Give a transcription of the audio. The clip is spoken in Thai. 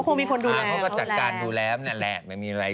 คงมีคนดูแลเขาก็จัดการดูแลนั่นแหละไม่มีอะไร